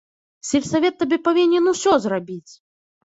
Сельсавет табе павінен усё зрабіць!